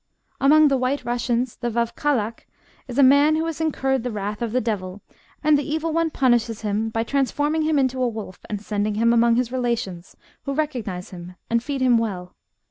Among the White Eussians the wawkalak is a man who has incurred thQ wrath of the devil, and the evil one punishes him by transforming him into a wolf and sending him among his relations, who recognize him and feed him well.